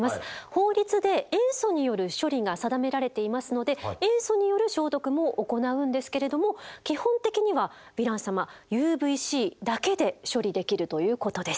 法律で塩素による処理が定められていますので塩素による消毒も行うんですけれども基本的にはヴィラン様ＵＶーＣだけで処理できるということです。